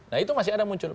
nah itu masih ada muncul